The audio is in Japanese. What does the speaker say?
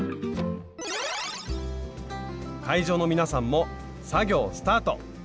会場の皆さんも作業スタート！